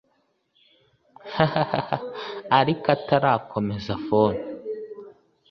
hahahaha… arik… atarakomeza phone